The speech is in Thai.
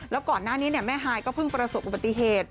แล้วก่อนหน้านี้แม่ฮายก็เพิ่งประสบอุบัติเหตุ